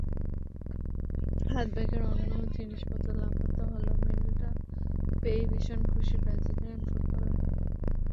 হাতব্যাগের অন্য জিনিসপত্র লাপাত্তা হলেও মেডেলটা পেয়েই ভীষণ খুশি ব্রাজিলিয়ান ফুটবলার।